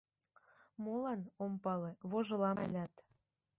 Молан, ом пале, вожылам алят.